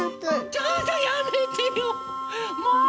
ちょっとやめてよもう！